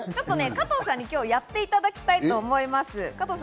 加藤さんにやっていただきたいと思います。